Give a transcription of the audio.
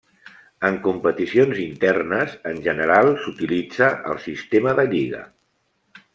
En competicions internes, en general s'utilitza el sistema de lliga.